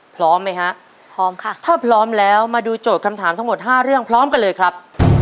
พร้อมไหมฮะพร้อมค่ะถ้าพร้อมแล้วมาดูโจทย์คำถามทั้งหมดห้าเรื่องพร้อมกันเลยครับ